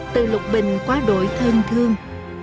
từ lục bình quá đội thân thương